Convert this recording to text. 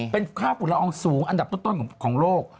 เป็นค่าฝุ่นละอองสูงอันดับต้นของโลก